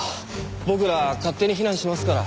僕ら勝手に避難しますから。